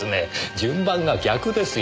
順番が逆ですよ。